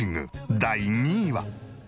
第２位は。